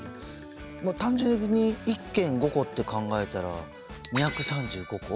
単純に１県５個って考えたら２３５個？